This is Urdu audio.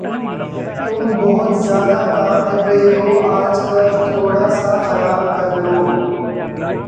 تم بہت زیادہ کام کر رہے ہو آج کل۔ تھوڑا سا آرام کر لو۔